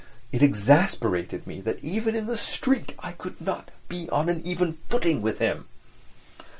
It exasperated me that even in the street I could not be on an even footing with him.